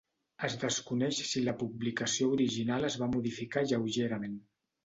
Es desconeix si la publicació original es va modificar lleugerament.